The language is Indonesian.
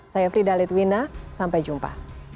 saya frida litwina sampai jumpa